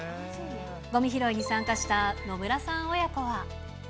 ごみ拾いに参加した野村さん親子は。